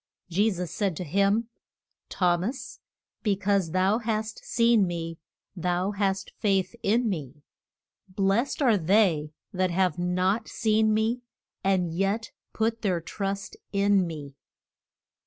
Je sus said to him, Thom as, be cause thou hast seen me, thou hast faith in me; blest are they that have not seen me, and yet put their trust in me.